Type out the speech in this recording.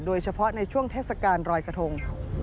โดยเฉพาะในช่วงเทศกาลรอยกระทง